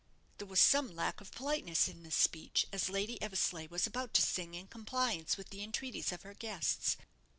There was some lack of politeness in this speech, as Lady Eversleigh was about to sing in compliance with the entreaties of her guests.